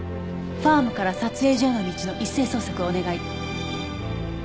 ファームから撮影所への道の一斉捜索をお願い。